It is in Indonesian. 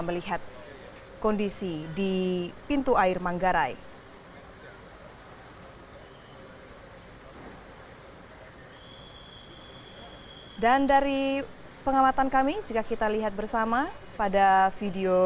melihat kondisi di pintu air manggarai hai dan dari pengamatan kami jika kita lihat bersama pada video